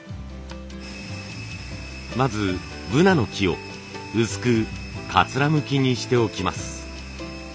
まずブナの木を薄くかつらむきにしておきます。